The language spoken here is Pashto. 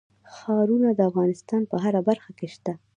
ښارونه د افغانستان په هره برخه کې شته.